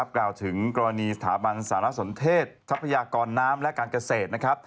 กล่าวถึงกรณีสถาบันศาลสนเทศทัพพยากรน้ำและการเกษตร